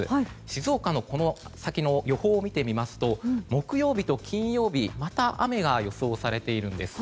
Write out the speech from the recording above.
静岡のこの先の予報を見てみますと木曜日と金曜日はまた雨が予想されているんです。